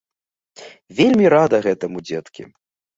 Вельмі рада гэтаму, дзеткі.